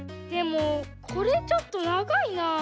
でもこれちょっとながいな。